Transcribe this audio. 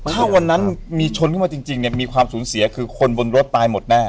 ถ้าวันนั้นมีชนขึ้นมาจริงเนี่ยมีความสูญเสียคือคนบนรถตายหมดแน่